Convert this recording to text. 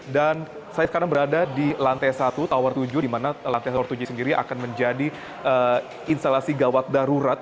dan saya sekarang berada di lantai satu tower tujuh di mana lantai tower tujuh sendiri akan menjadi instalasi gawat darurat